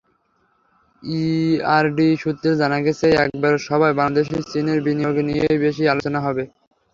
ERD সূত্রে জানা গেছে, এবারের সভায় বাংলাদেশে চীনের বিনিয়োগ নিয়েই বেশি আলোচনা হবে।